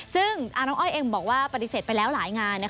ซึ่งน้องอ้อยเองบอกว่าปฏิเสธไปแล้วหลายงาน